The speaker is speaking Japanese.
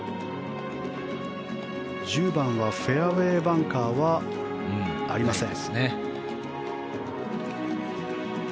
１０番はフェアウェーバンカーはありません。